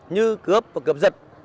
như cướp và cướp giật